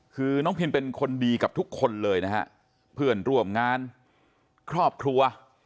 คือน้องพินเป็นคนดีกับทุกคนเลยนะฮะเพื่อนร่วมงานครอบครัว